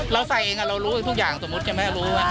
เราใส่เองเรารู้ทุกอย่างสมมุติใช่ไหมรู้